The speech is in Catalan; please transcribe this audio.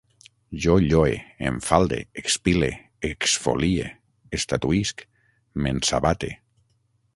Jo lloe, enfalde, expile, exfolie, estatuïsc, m'ensabate